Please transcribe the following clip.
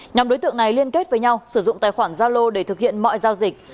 nhóm đối tượng này liên kết với nhau sử dụng tài khoản gia lô để thực hiện mọi giao dịch